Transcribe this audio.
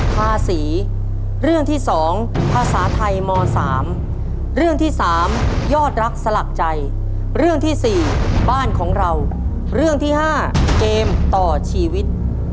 ๑ทาสี๒ภาษาไทย๓ยอดรักสลักใจ๔บ้านของเรา๕เกมต่อชีวิต